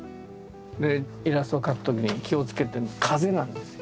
イラストを描くときに気をつけてるのが「風」なんですよ。